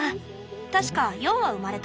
確か４羽生まれた。